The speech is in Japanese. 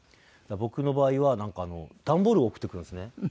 僕の場合はなんか段ボールを送ってくるんですね。